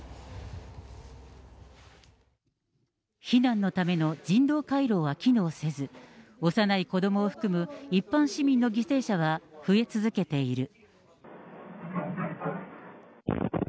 避難のための人道回廊は機能せず、幼い子どもを含む一般市民の犠牲者は増え続けている。